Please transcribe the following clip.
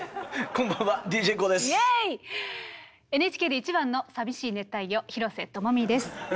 ＮＨＫで一番の「淋しい熱帯魚」廣瀬智美です。